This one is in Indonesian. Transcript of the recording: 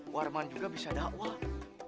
warman juga bisa dakwah